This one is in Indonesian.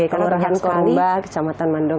kelurahan korumba kecamatan mandung